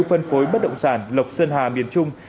phân phối bất động sản lộc sơn hà miền trung